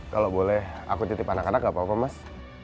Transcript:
kalau boleh aku titip anak anak gak apa apa mas